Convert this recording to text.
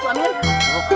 kita jalan ter homemade